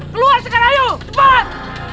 keluar sekarang ayo cepat